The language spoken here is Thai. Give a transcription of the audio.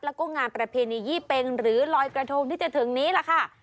แล้วก็งานประเพณียี่เป็งหรือลอยกระทงที่จะถึงนี้ล่ะค่ะ